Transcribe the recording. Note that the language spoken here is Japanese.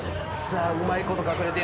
うまいこと隠れている。